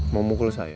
mau mukul saya